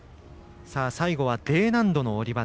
最後はＤ難度の下り技。